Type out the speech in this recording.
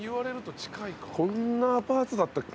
こんなアパートだったっけ